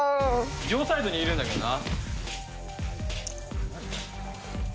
両サイドにいるんだけどな。